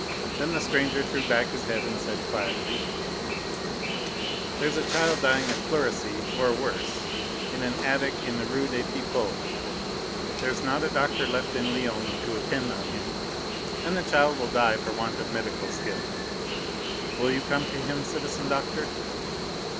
Then the stranger threw back his head and said quietly: "There's a child dying of pleurisy, or worse, in an attic in the Rue des Pipots. There's not a doctor left in Lyons to attend on him, and the child will die for want of medical skill. Will you come to him, citizen doctor?"